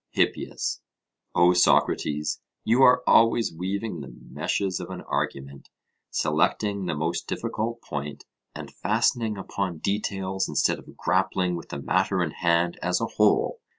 HIPPIAS: O Socrates, you are always weaving the meshes of an argument, selecting the most difficult point, and fastening upon details instead of grappling with the matter in hand as a whole.